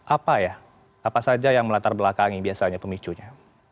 apa ya apa saja yang melatar belakangi biasanya pemicunya